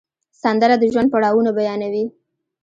سندره د ژوند پړاوونه بیانوي